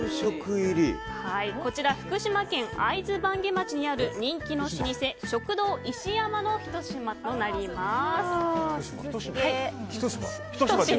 こちら、福島県会津坂下町にある人気の老舗、食堂いしやまのひとしまとなります。